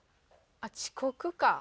あっ遅刻か。